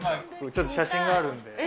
ちょっと写真があるんで。